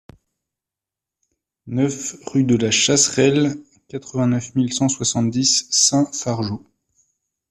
neuf rue de la Chasserelle, quatre-vingt-neuf mille cent soixante-dix Saint-Fargeau